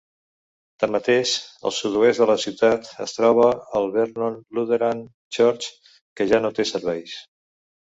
Tanmateix, al sud-oest de la ciutat, es troba la Vernon Lutheran Church, que ja no té serveis.